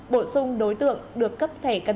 bổ sung đối tượng được cấp thẻ căng cấp công dân